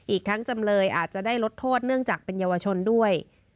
อีกทั้งจำเลยอาจจะได้ลดโทษเนื่องจากเป็นเยาวชนด้วย